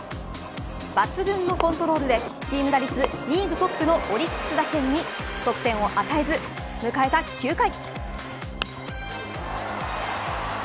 抜群のコントロールでチーム打率リーグトップのオリックス打線に得点を与えず迎えた９回。